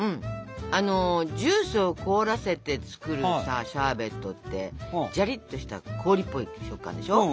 あのジュースを凍らせて作るさシャーベットってジャリッとした氷っぽい食感でしょ？